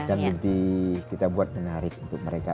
dan lebih kita buat menarik untuk mereka